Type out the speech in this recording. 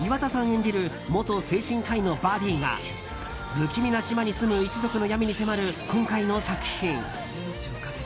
演じる元精神科医のバディが不気味な島に住む一族の闇に迫る今回の作品。